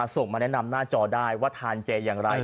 ส่งมาแนะนำหน้าจอได้ว่าทานเจอย่างไร